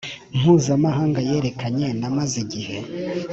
mpuzamahanga yerekeranye n amazi igihe